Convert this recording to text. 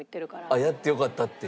あっ「やってよかった」って。